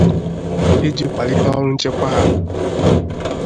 iji kwàlite ọrụ nchekwa ha.